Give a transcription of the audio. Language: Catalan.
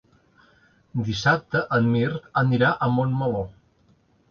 Dissabte en Mirt anirà a Montmeló.